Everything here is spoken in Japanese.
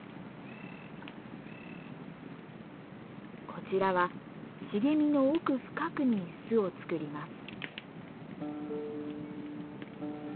こちらは茂みの奥深くに巣を作ります。